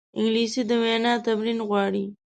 انګلیسي د وینا تمرین غواړي